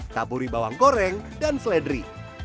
taburi bawang goreng dan seledri